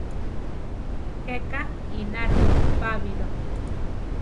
Jéka ináro Pabilo.